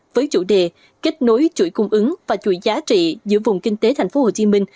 với chủ đề kết nối chuỗi cung ứng và chuỗi giá trị giữa vùng kinh tế thành phố hồ chí minh